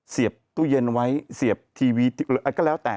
เสียบตู้เย็นไว้เสียบทีวีก็แล้วแต่